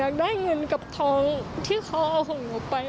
เกิน